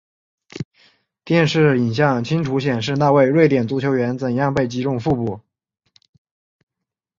电视影像清楚显示那位瑞典足球员怎样被击中腹部。